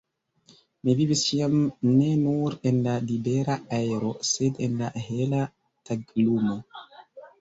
Mi vivis ĉiam ne nur en la libera aero, sed en la hela taglumo.